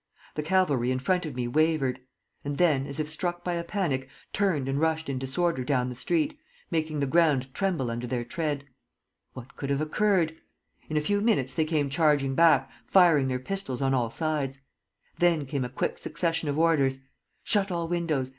The cavalry in front of me wavered; and then, as if struck by a panic, turned and rushed in disorder down the street, making the ground tremble under their tread. What could have occurred? In a few minutes they came charging back, firing their pistols on all sides. Then came a quick succession of orders: 'Shut all windows!